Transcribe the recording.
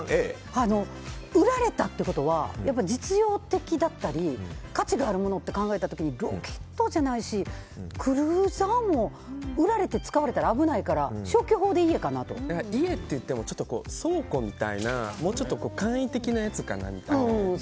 売られたってことは実用的だったり価値があるものって考えた時にロケットじゃないしクルーザーも売られて使われたら危ないから家といっても倉庫みたいなもうちょっと簡易的なやつかなみたいな。